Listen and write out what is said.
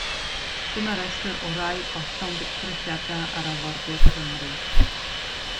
Dyma restr o rai o'r llongddrylliadau ar arfordir Cymru.